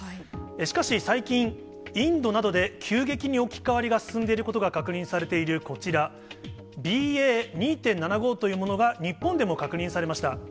しかし、最近、インドなどで急激に置き換わりが進んでいることが確認されているこちら、ＢＡ．２．７５というものが日本でも確認されました。